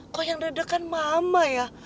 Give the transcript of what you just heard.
kok yang redakan mama ya